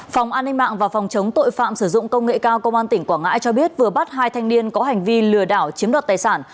phòng an ninh mạng và phòng chống tội phạm sử dụng công nghệ cao công an tỉnh quảng ngãi cho biết vừa bắt hai thanh niên có hành vi lừa đảo chiếm đoạt tài sản